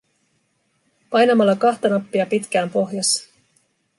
Painamalla kahta nappia pitkään pohjassa.